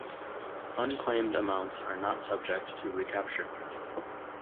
Unclaimed amounts are not subject to recapture.